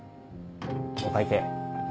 お会計。